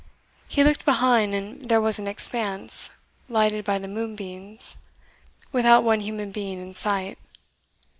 He looked behind, and there was an expanse, lighted by the moonbeams, without one human being in sight.